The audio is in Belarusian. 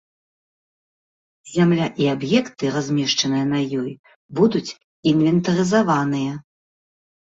Зямля і аб'екты, размешчаныя на ёй, будуць інвентарызаваныя.